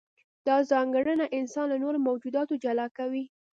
دا ځانګړنه انسان له نورو موجوداتو جلا کوي.